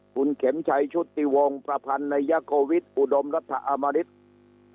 คุณเข็มชัยชุติวงศ์ประพันธ์นายโกวิทอุดมรัฐอมริต